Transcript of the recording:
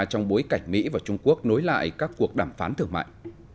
trong bối cảnh mỹ và trung quốc nối lại các cuộc đàm phán thương mại